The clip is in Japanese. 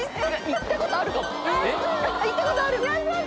行ったことある！